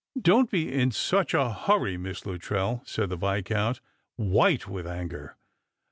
" Don't be in such a hurry. Miss Luttrell," said the Viscount, white with anger.